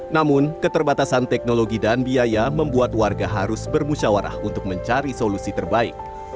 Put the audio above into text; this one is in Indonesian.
namun keterbatasan teknologi dan biaya membuat warga harus bermusyawarah untuk mencari solusi terbaik